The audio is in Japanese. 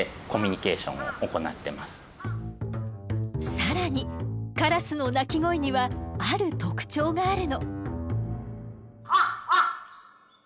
更にカラスの鳴き声にはある特徴があるの。